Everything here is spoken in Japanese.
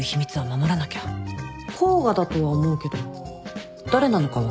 甲賀だとは思うけど誰なのか分かんない。